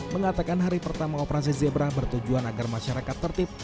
mengatakan hari pertama operasi zebra bertujuan agar masyarakat tertib